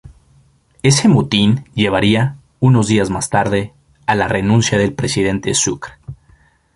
Ese motín llevaría, unos días más tarde, a la renuncia del presidente Sucre.